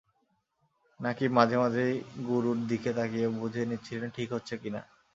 নাকিব মাঝে মাঝেই গুরুর দিকে তাকিয়ে বুঝে নিচ্ছিলেন, ঠিক হচ্ছে কিনা।